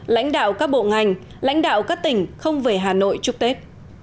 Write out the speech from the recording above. lãnh đạo các bộ ngành lãnh đạo các tỉnh không về hà nội chúc tết